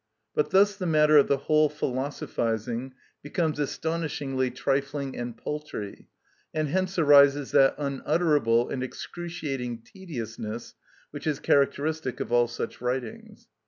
But thus the matter of the whole philosophising becomes astonishingly trifling and paltry, and hence arises that unutterable and excruciating tediousness which is characteristic of all such writings.